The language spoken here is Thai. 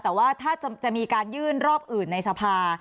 แต่ว่าถ้าจะมีการยื่นรอบอื่นในสภา